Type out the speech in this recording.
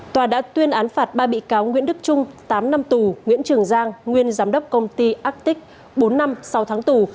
toàn đã tuyên án phạt ba bị cáo nguyễn đức trung tám năm tù nguyễn trường giang nguyên giám đốc công ty arctic bốn năm sau tháng tù